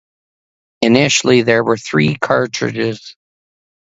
Initially, there were three cartridges.